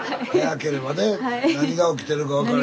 何が起きてるか分からへん。